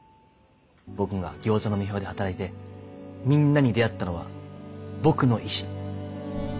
僕が餃子の女豹で働いてみんなに出会ったのは僕の意志。